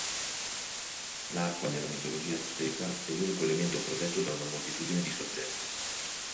L'acqua nella mitologia Azteca è l'unico elemento protetto da una moltitudine di soggetti.